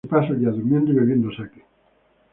Se pasa el día durmiendo y bebiendo sake.